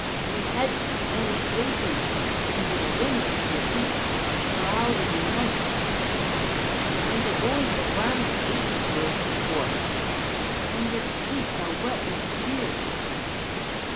Your heads and your faces and your limbs underneath are shrouded in night; and the voice of lamentation bursts forth, and your cheeks are wet with tears.